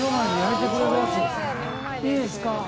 いいですか？